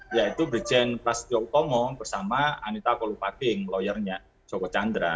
yaitu brigjen prasetyo utomo bersama anita kolupaking lawyernya joko chandra